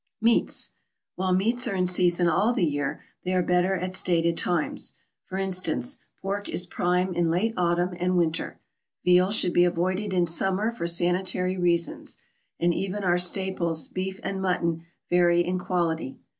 =Meats.= While meats are in season all the year, they are better at stated times; for instance, pork is prime in late autumn and winter; veal should be avoided in summer for sanitary reasons; and even our staples, beef and mutton, vary in quality.